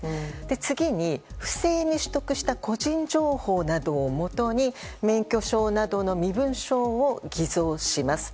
次に、不正に取得した個人情報などをもとに免許証などの身分証を偽造します。